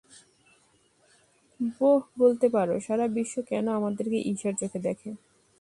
বোহ, বলতে পার, সারা বিশ্ব কেন আমাদেরকে ঈর্ষার চোখে দেখে?